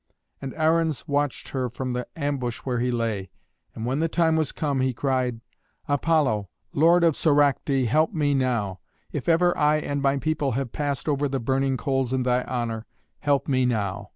And Arruns watched her from the ambush where he lay; and when the time was come, he cried, "Apollo, lord of Soracte, help me now; if ever I and my people have passed over the burning coals in thy honour, help me now.